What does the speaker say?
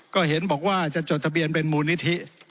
ก็เห็นบอกว่าจะจดทะเบียนเป็นมูลนิธิ